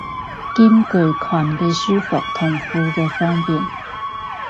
兼具裙嘅舒服同褲嘅方便